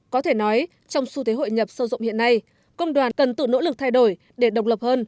có thể nói trong xu thế hội nhập sâu rộng hiện nay công đoàn cần tự nỗ lực thay đổi để độc lập hơn